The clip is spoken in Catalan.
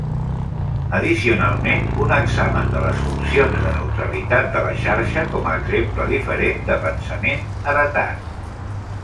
Addicionalment, un examen de les funcions de neutralitat de la xarxa com a exemple diferent de pensament heretat.